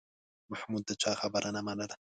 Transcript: محمود د چا خبره نه منله.